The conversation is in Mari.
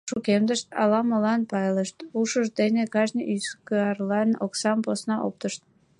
Шукемдышт, ала-молан пайлышт, ушышт дене кажне ӱзгарлан оксам посна оптышт.